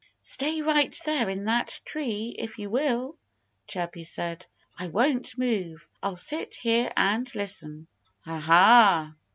"Stay right there in that tree, if you will!" Chirpy said. "I won't move. I'll sit here and listen." "Ha, ha!"